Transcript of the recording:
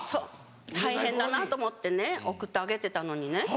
大変だなと思ってね送ってあげてたのにね